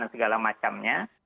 dan segala macamnya